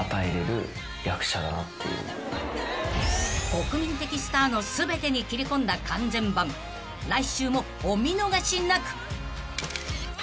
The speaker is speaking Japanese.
［国民的スターの全てに切り込んだ完全版来週もお見逃しなく］